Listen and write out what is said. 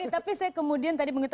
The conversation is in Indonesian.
tapi saya kemudian tadi mengetahui